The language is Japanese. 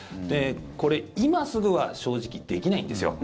これ、今すぐは正直、できないんですよ。